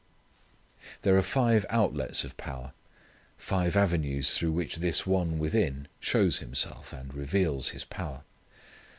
There are five outlets of power: five avenues through which this One within shows Himself, and reveals His power.